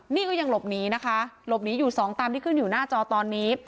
นี่ก็ยังหลบหนีนะคะหลบหนีอยู่สองตามที่ขึ้นอยู่หน้าจอตอนนี้